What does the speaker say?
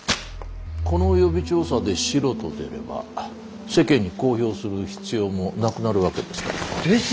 この予備調査でシロと出れば世間に公表する必要もなくなるわけですから。ですよね。